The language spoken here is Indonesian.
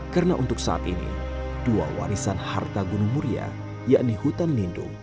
karena untuk saat ini dua warisan harta gunung muria yakni hutan lindung